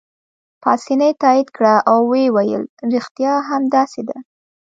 پاسیني تایید کړه او ویې ویل: ریښتیا هم داسې ده.